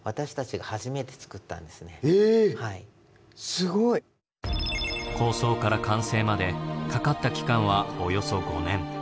すごい。構想から完成までかかった期間はおよそ５年。